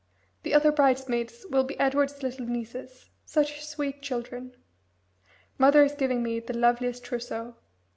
The other bridesmaids will be Edward's little nieces such sweet children. Mother is giving me the loveliest trousseau.